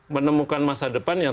menemukan masa depan yang